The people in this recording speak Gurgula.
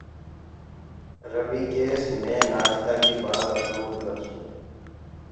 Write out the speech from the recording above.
رويٚ ڪيس مي نآشتآ ڪي بآد اپلوڊ ڪرسونٚ